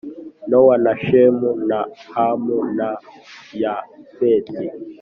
Nowa na Shemu na Hamu na Yafeti